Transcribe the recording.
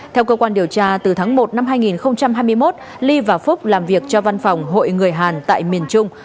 theo cơ quan điều tra từ tháng một năm hai nghìn hai mươi một ly và phúc làm việc cho văn phòng hội người hàn tại miền trung